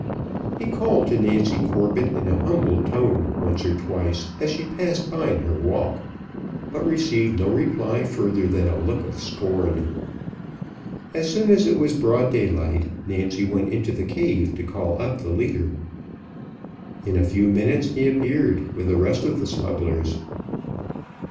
He called to Nancy Corbett in a humble tone once or twice as she passed by in her walk, but received no reply further than a look of scorn. As soon as it was broad daylight, Nancy went into the cave to call up the leader. In a few minutes he appeared, with the rest of the smugglers.